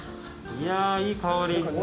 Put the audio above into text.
いや、いい香り。